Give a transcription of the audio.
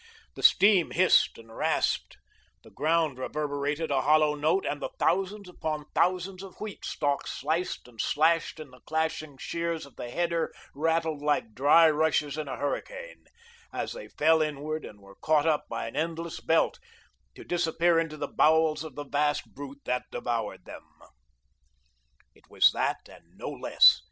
The steam hissed and rasped; the ground reverberated a hollow note, and the thousands upon thousands of wheat stalks sliced and slashed in the clashing shears of the header, rattled like dry rushes in a hurricane, as they fell inward, and were caught up by an endless belt, to disappear into the bowels of the vast brute that devoured them. It was that and no less.